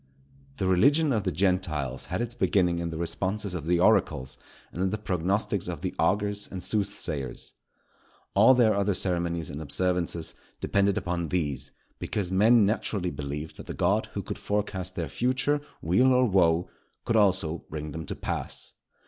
The religion of the Gentiles had its beginning in the responses of the oracles and in the prognostics of the augurs and soothsayers. All their other ceremonies and observances depended upon these; because men naturally believed that the God who could forecast their future weal or woe, could also bring them to pass.